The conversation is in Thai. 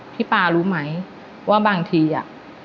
พี่ปารู้ไหมว่าบางทีอ่ะ